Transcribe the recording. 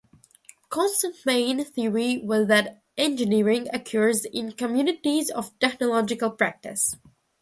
Constant's main theory was that engineering occurs in 'communities of technological practice'.